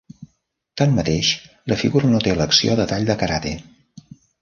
Tanmateix, la figura no té l'acció de tall de karate.